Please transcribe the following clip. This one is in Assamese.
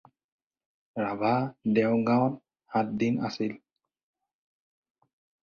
ৰাভা দেৰগাঁৱত সাত দিন আছিল।